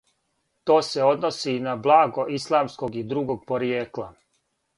То се односи и на благо исламског и другог поријекла.